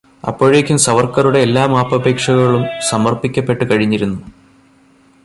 അപ്പോഴേയ്ക്കും സവർക്കറുടെ എല്ലാ മാപ്പപേക്ഷകളും സമർപ്പിക്കപ്പെട്ടു കഴിഞ്ഞിരുന്നു.